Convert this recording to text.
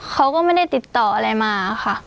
เขาก็ไม่ได้ติดต่ออะไรมาค่ะ